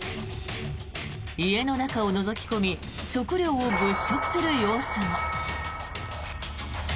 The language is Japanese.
家の中をのぞき込み食料を物色する様子も。